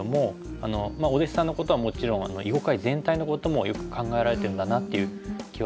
あのお弟子さんのことはもちろん囲碁界全体のこともよく考えられてるんだなっていう気はしますけど。